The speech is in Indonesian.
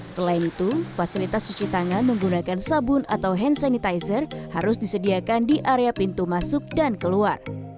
selain itu fasilitas cuci tangan menggunakan sabun atau hand sanitizer harus disediakan di area pintu masuk dan keluar